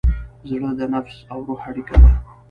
زړه د نفس او روح اړیکه ده.